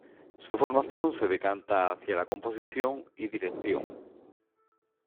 Su formación se decanta hacia la composición y dirección.